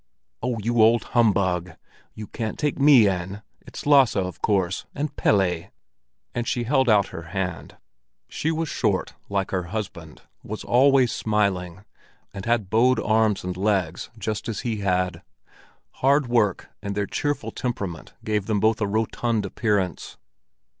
"Oh, you old humbug! You can't take me in. It's Lasse, of course, and Pelle!" And she held out her hand. She was short, like her husband, was always smiling, and had bowed arms and legs just as he had. Hard work and their cheerful temperament gave them both a rotund appearance.